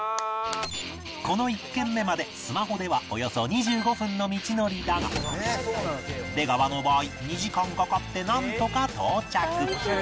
この１軒目までスマホではおよそ２５分の道のりだが出川の場合２時間かかってなんとか到着